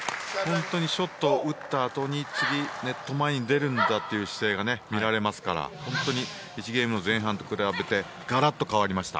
ショットを打ったあとに次ネット前に出るんだという姿勢が見られますから１ゲームの前半と比べてガラッと変わりました。